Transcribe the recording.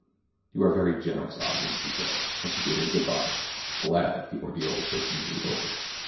"You are very generous, Ogden," she said, as she bade him good by, glad that the ordeal was so easily over.